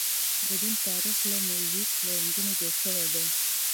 د دین تاریخ لکه موزاییک له رنګونو جوړ شوی دی.